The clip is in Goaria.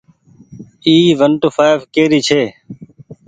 اي ونٽو ڦآئڦ ڪي ري ڇي۔